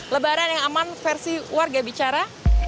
lebaran yang aman versi warga bicara